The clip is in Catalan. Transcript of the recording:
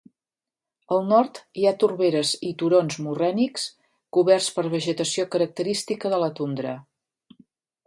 Al nord hi ha torberes i turons morrènics coberts per vegetació característica de la tundra.